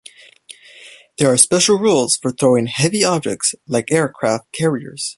There are special rules for throwing heavy objects like aircraft carriers.